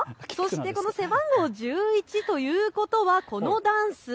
この背番号１１ということはこのダンス。